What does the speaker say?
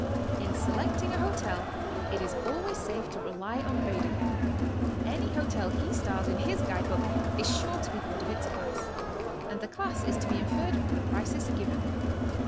_ In selecting a hotel, it is always safe to rely on Baedeker. Any hotel he stars in his guide book is sure to be good of its HOW TO STAY. 137 class, and the class is to be interred from the prices given.